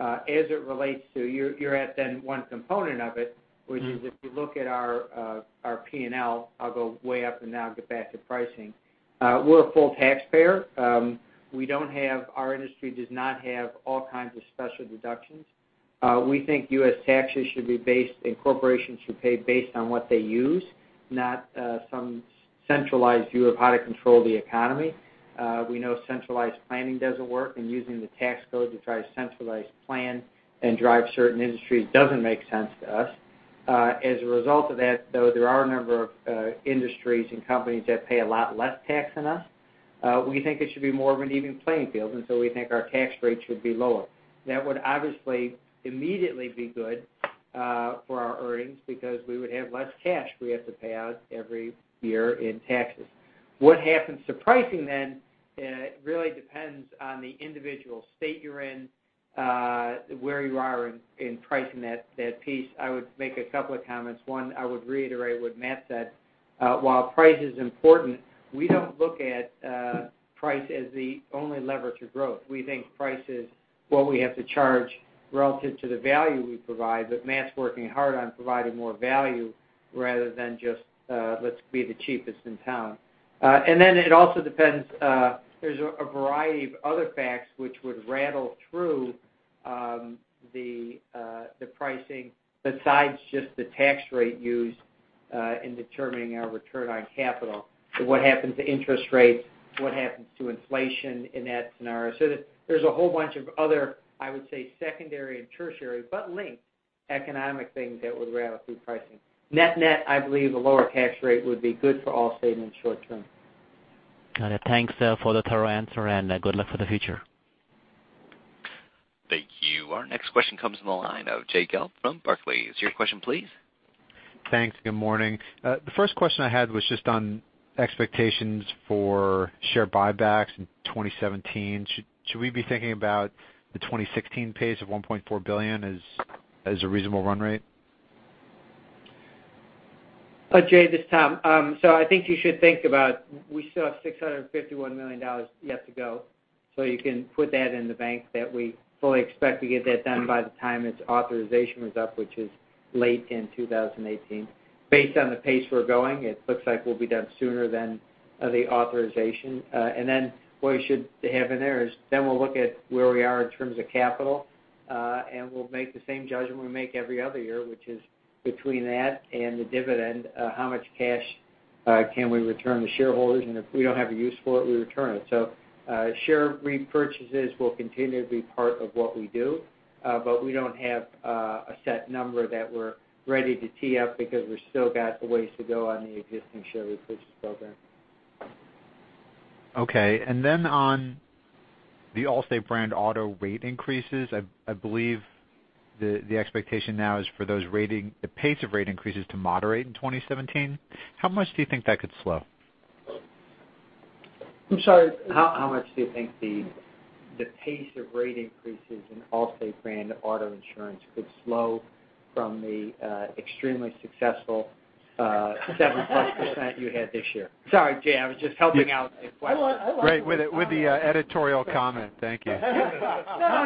As it relates to, you're at then one component of it, which is if you look at our P&L, I'll go way up and now get back to pricing. We're a full taxpayer. Our industry does not have all kinds of special deductions. We think U.S. taxes should be based and corporations should pay based on what they use, not some centralized view of how to control the economy. We know centralized planning doesn't work, using the tax code to try to centralize plan and drive certain industries doesn't make sense to us. As a result of that, though, there are a number of industries and companies that pay a lot less tax than us. We think it should be more of an even playing field, we think our tax rates should be lower. That would obviously immediately be good for our earnings because we would have less cash we have to pay out every year in taxes. What happens to pricing then really depends on the individual state you're in, where you are in pricing that piece. I would make a couple of comments. One, I would reiterate what Matt said. While price is important, we don't look at price as the only lever to growth. We think price is what we have to charge relative to the value we provide, but Matt's working hard on providing more value rather than just, let's be the cheapest in town. It also depends, there's a variety of other facts which would rattle through the pricing besides just the tax rate used in determining our return on capital. What happens to interest rates? What happens to inflation in that scenario? There's a whole bunch of other, I would say, secondary and tertiary, but linked economic things that would rattle through pricing. Net-net, I believe a lower cash rate would be good for Allstate in the short term. Got it. Thanks for the thorough answer, good luck for the future. Thank you. Our next question comes from the line of Jay Gelb from Barclays. Your question, please. Thanks. Good morning. The first question I had was just on expectations for share buybacks in 2017. Should we be thinking about the 2016 pace of $1.4 billion as a reasonable run rate? Jay, this is Tom. I think you should think about, we still have $651 million yet to go. You can put that in the bank that we fully expect to get that done by the time its authorization is up, which is late in 2018. Based on the pace we're going, it looks like we'll be done sooner than the authorization. What we should have in there is then we'll look at where we are in terms of capital, and we'll make the same judgment we make every other year, which is between that and the dividend, how much cash can we return to shareholders? If we don't have a use for it, we return it. Share repurchases will continue to be part of what we do. We don't have a set number that we're ready to tee up because we still got a ways to go on the existing share repurchase program. Okay. On the Allstate brand auto rate increases, I believe the expectation now is for the pace of rate increases to moderate in 2017. How much do you think that could slow? I'm sorry. How much do you think the pace of rate increases in Allstate brand auto insurance could slow from the extremely successful seven-plus % you had this year? Sorry, Jay, I was just helping out a question. I like the way Tom- Great. With the editorial comment. Thank you. No,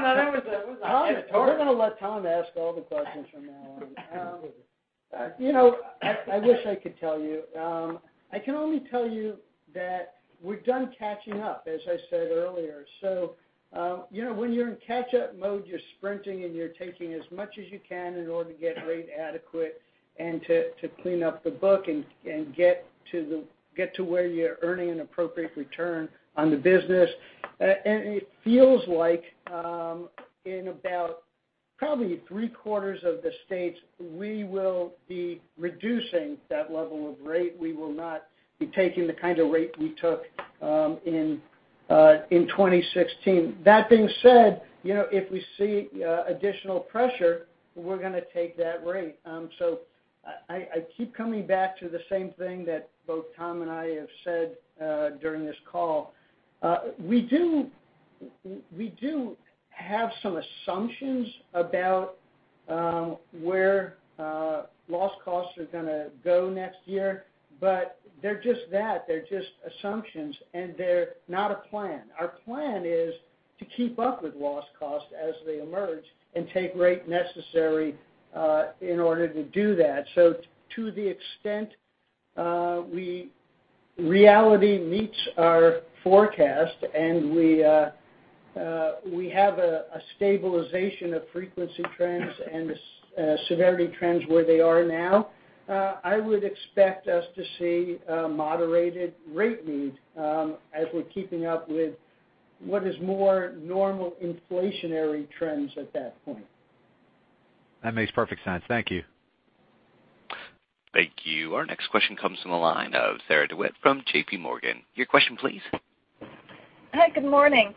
that wasn't editorial. We're going to let Tom ask all the questions from now on. I wish I could tell you. I can only tell you that we're done catching up, as I said earlier. When you're in catch-up mode, you're sprinting, and you're taking as much as you can in order to get rate adequate and to clean up the book and get to where you're earning an appropriate return on the business. It feels like, in about probably three-quarters of the states, we will be reducing that level of rate. We will not be taking the kind of rate we took in 2016. That being said, if we see additional pressure, we're going to take that rate. I keep coming back to the same thing that both Tom and I have said during this call. We do have some assumptions about where loss costs are going to go next year, but they're just that. They're just assumptions. They're not a plan. Our plan is to keep up with loss costs as they emerge and take rate necessary in order to do that. To the extent reality meets our forecast, we have a stabilization of frequency trends and the severity trends where they are now, I would expect us to see a moderated rate need as we're keeping up with what is more normal inflationary trends at that point. That makes perfect sense. Thank you. Thank you. Our next question comes from the line of Sarah DeWitt from J.P. Morgan. Your question please. Hi, good morning.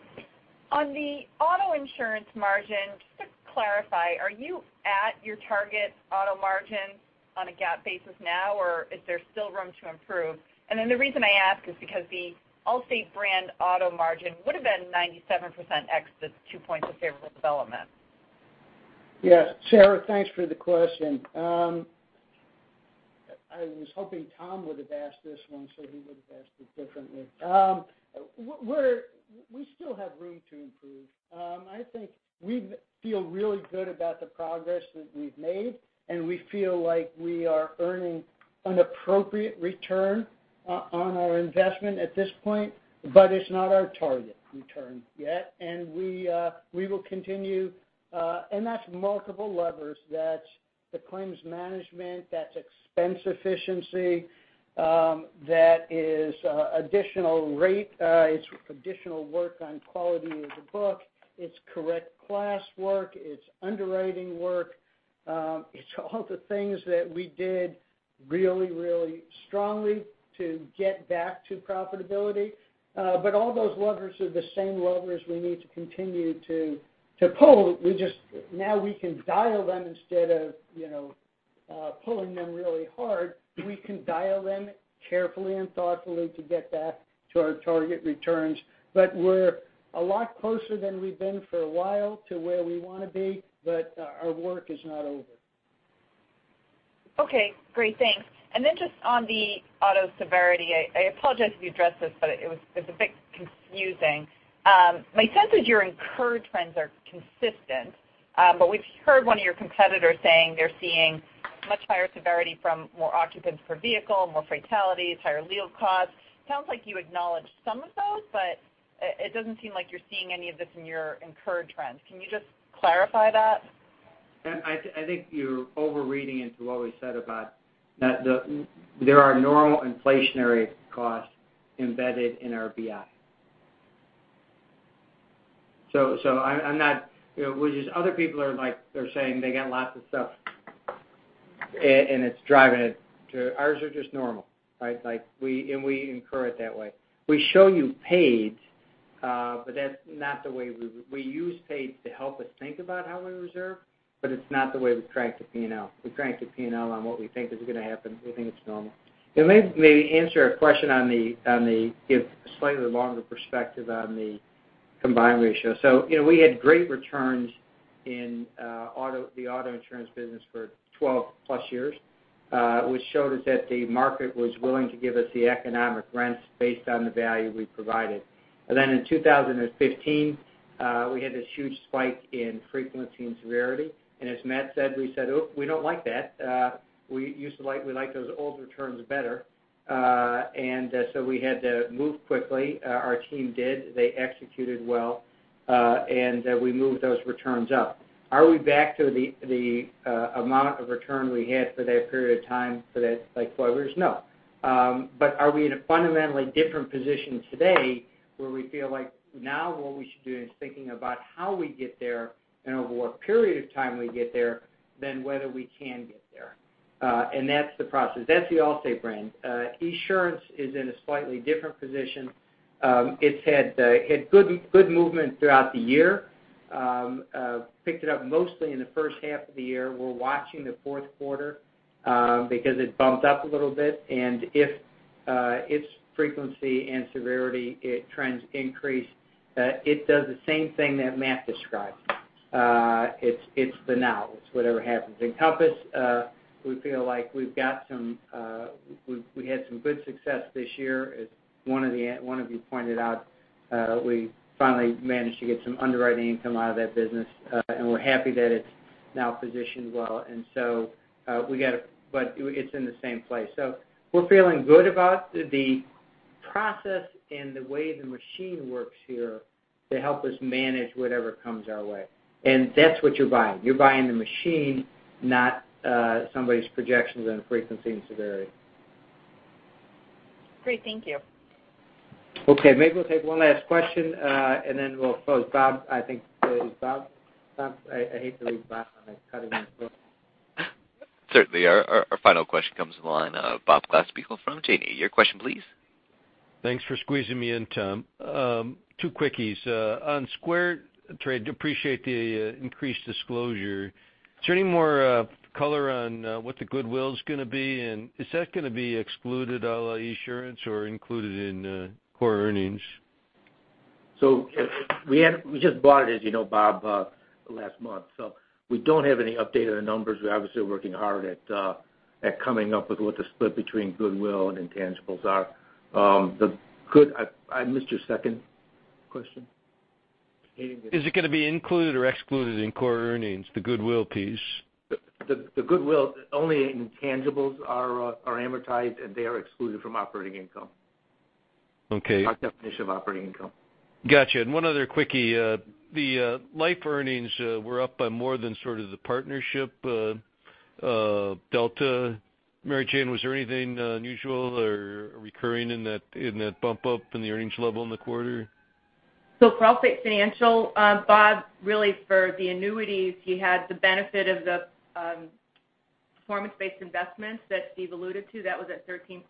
On the auto insurance margin, just to clarify, are you at your target auto margin on a GAAP basis now, or is there still room to improve? The reason I ask is because the Allstate brand auto margin would've been 97% ex the 2 points of favorable development. Yes. Sarah, thanks for the question. I was hoping Tom would've asked this one, so he would've asked it differently. We still have room to improve. I think we feel really good about the progress that we've made, and we feel like we are earning an appropriate return on our investment at this point, but it's not our target return yet, and we will continue. That's multiple levers. That's the claims management, that's expense efficiency, that is additional rate. It's additional work on quality of the book. It's correct class work. It's underwriting work. It's all the things that we did really, really strongly to get back to profitability. All those levers are the same levers we need to continue to pull. Now we can dial them instead of pulling them really hard. We can dial them carefully and thoughtfully to get back to our target returns, but we're a lot closer than we've been for a while to where we want to be, but our work is not over. Okay, great. Thanks. Then just on the auto severity, I apologize if you addressed this, it was a bit confusing. My sense is your incurred trends are consistent. We've heard one of your competitors saying they're seeing much higher severity from more occupants per vehicle, more fatalities, higher legal costs. Sounds like you acknowledge some of those, it doesn't seem like you're seeing any of this in your incurred trends. Can you just clarify that? I think you're overreading into what we said about there are normal inflationary costs embedded in our BI. Other people, they're saying they got lots of stuff, it's driving it. Ours are just normal, we incur it that way. We show you paid, that's not the way we use paid to help us think about how we reserve, it's not the way we track the P&L. We track the P&L on what we think is going to happen. We think it's normal. Maybe answer a question, give slightly longer perspective on the combined ratio. We had great returns in the auto insurance business for 12+ years, which showed us that the market was willing to give us the economic rents based on the value we provided. In 2015, we had this huge spike in frequency and severity, as Matt said, we said, "Oh, we don't like that." We like those old returns better. We had to move quickly. Our team did. They executed well. We moved those returns up. Are we back to the amount of return we had for that period of time for that, like four years? No. Are we in a fundamentally different position today where we feel like now what we should do is thinking about how we get there and over what period of time we get there than whether we can get there? That's the process. That's the Allstate brand. Esurance is in a slightly different position. It's had good movement throughout the year Picked it up mostly in the first half of the year. We're watching the fourth quarter because it bumped up a little bit if its frequency and severity trends increase, it does the same thing that Matt described. It's the now. It's whatever happens. Encompass, we feel like we've had some good success this year. As one of you pointed out, we finally managed to get some underwriting income out of that business we're happy that it's now positioned well. It's in the same place. We're feeling good about the process the way the machine works here to help us manage whatever comes our way. That's what you're buying. You're buying the machine, not somebody's projections on frequency and severity. Great. Thank you. Okay. Maybe we'll take one last question, and then we'll close. Bob, I think. Is Bob? Bob, I hate to leave Bob out. Cutting him short. Certainly. Our final question comes from the line of Bob Glasspiegel from Janney Montgomery Scott. Your question please. Thanks for squeezing me in, Tom. Two quickies. On SquareTrade, appreciate the increased disclosure. Is there any more color on what the goodwill's going to be, and is that going to be excluded a la Esurance or included in core earnings? We just bought it, as you know, Bob, last month, so we don't have any updated numbers. We obviously are working hard at coming up with what the split between goodwill and intangibles are. I missed your second question. Is it going to be included or excluded in core earnings, the goodwill piece? The goodwill, only intangibles are amortized, and they are excluded from operating income. Okay. Our definition of operating income. Got you. One other quickie. The life earnings were up by more than sort of the partnership delta. Mary Jane, was there anything unusual or recurring in that bump up in the earnings level in the quarter? For Allstate Financial, Bob, really for the annuities, you had the benefit of the performance-based investments that Steve alluded to. That was at 13.8%.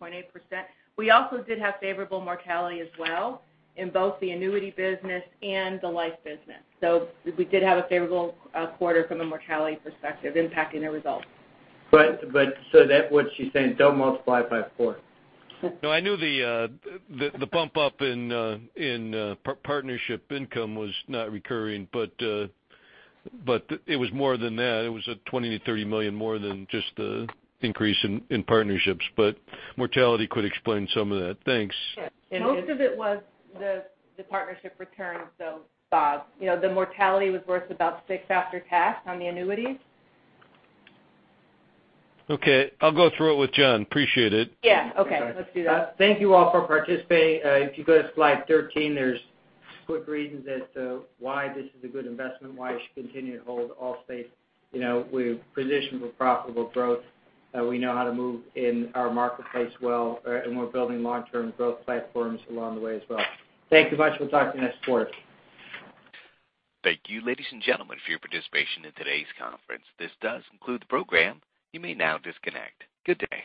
We also did have favorable mortality as well in both the annuity business and the life business. We did have a favorable quarter from a mortality perspective impacting the results. What she's saying, don't multiply it by four. No, I knew the bump up in partnership income was not recurring, but it was more than that. It was at $20 million-$30 million more than just the increase in partnerships. Mortality could explain some of that. Thanks. Most of it was the partnership return, Bob. The mortality was worth about $6 after tax on the annuities. Okay, I'll go through it with John. Appreciate it. Yeah. Okay. Let's do that. Thank you all for participating. If you go to slide 13, there's quick reasons as to why this is a good investment, why you should continue to hold Allstate. We're positioned for profitable growth. We know how to move in our marketplace well, we're building long-term growth platforms along the way as well. Thank you much. We'll talk to you next quarter. Thank you, ladies and gentlemen, for your participation in today's conference. This does conclude the program. You may now disconnect. Good day.